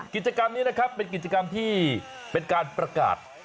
กิจกรรมนี้นะครับเป็นกิจกรรมที่เป็นการประกาศ